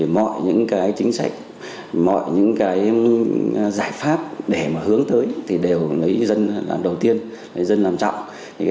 mọi những chính sách mọi những giải pháp để hướng tới thì đều lấy dân làm đầu tiên dân làm trọng